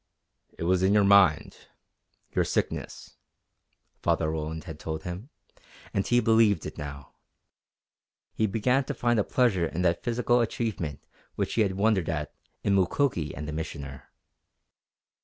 "It was in your mind your sickness," Father Roland had told him, and he believed it now. He began to find a pleasure in that physical achievement which he had wondered at in Mukoki and the Missioner.